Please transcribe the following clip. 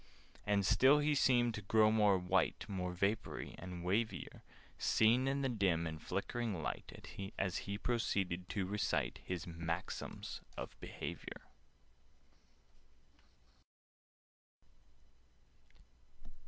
And still he seemed to grow more white, More vapoury, and wavier— Seen in the dim and flickering light, As he proceeded to recite His "Maxims of Behaviour."